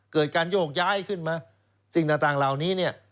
เกิดการโยกย้ายขึ้นมาสิ่งต่างเหล่านี้เนี่ย